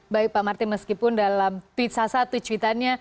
baik pak martin meskipun dalam pizza satu cuitannya